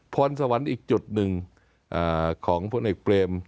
พรสวรรค์อีกจุดหนึ่งของพลเอกเปรม